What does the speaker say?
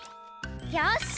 よし！